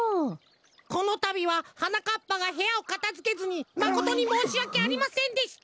このたびははなかっぱがへやをかたづけずにまことにもうしわけありませんでした。